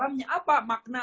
apa yang kita harus pelajari